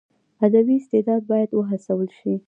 ادبي استعداد باید وهڅول سي.